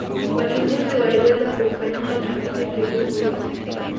wachunguzi waliweza kumfanyia utafiti kiumbe huyu